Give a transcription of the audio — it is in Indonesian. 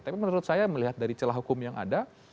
tapi menurut saya melihat dari celah hukum yang ada